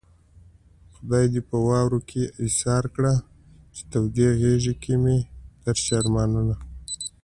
خدای دې په واورو کې ايسار کړه چې د تودې غېږې مې درشي ارمانونه